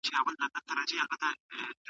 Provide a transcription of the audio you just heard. د خلګو سر او مال خوندي وساتئ.